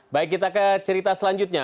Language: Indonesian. baik kita ke cerita selanjutnya